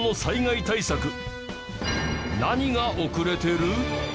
何が遅れてる？